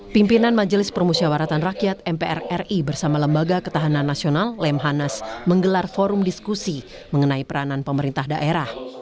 pimpinan majelis permusyawaratan rakyat mpr ri bersama lembaga ketahanan nasional lemhanas menggelar forum diskusi mengenai peranan pemerintah daerah